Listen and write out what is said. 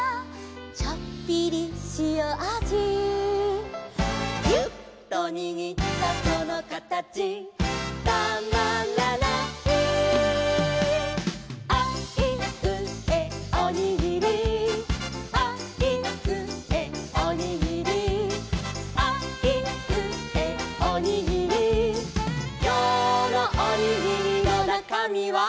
「ちょっぴりしおあじ」「ギュッとにぎったそのかたちたまらない」「あいうえおにぎり」「あいうえおにぎり」「あいうえおにぎり」「きょうのおにぎりのなかみは？」